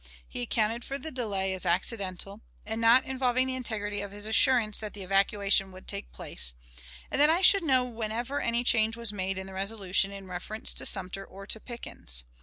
He accounted for the delay as accidental, and not involving the integrity of his assurance that the evacuation would take place, and that I should know whenever any change was made in the resolution in reference to Sumter or to Pickens.